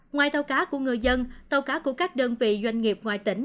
ngoài tàu cá của người dân tàu cá của các đơn vị doanh nghiệp ngoài tỉnh